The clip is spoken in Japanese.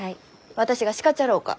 私が叱っちゃろうか？